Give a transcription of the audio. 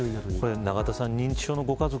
永田さん、認知症のご家族